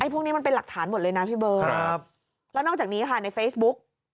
พวกนี้มันเป็นหลักฐานหมดเลยนะพี่เบิร์ตแล้วนอกจากนี้ค่ะในเฟซบุ๊ก